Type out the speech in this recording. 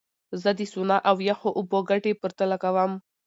زه د سونا او یخو اوبو ګټې پرتله کوم.